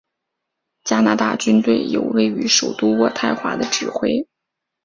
加拿大军队由位于首都渥太华的指挥。